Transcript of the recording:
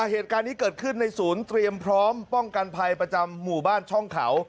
เหตุการณ์นี้เกิดขึ้นในศูนย์เตรียมพร้อมป้องกันภัยประจำหมู่บ้านช่องเขา